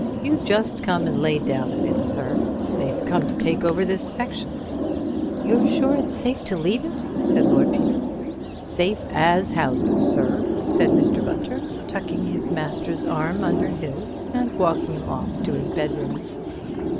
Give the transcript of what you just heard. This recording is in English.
You just come and lay down a bit, sir—they've come to take over this section." "You're sure it's safe to leave it?" said Lord Peter. "Safe as houses, sir," said Mr. Bunter, tucking his master's arm under his and walking him off to his bedroom.